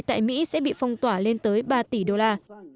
tại mỹ sẽ bị phong tỏa lên tới ba tỷ đô la